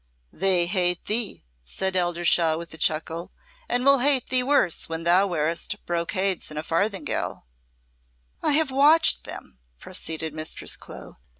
"They hate thee," said Eldershawe, with a chuckle, "and will hate thee worse when thou wearest brocades and a farthingale." "I have watched them," proceeded Mistress Clo.